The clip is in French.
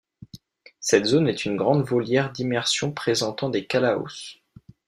Cette zone est une grande volière d'immersion présentant des calaos.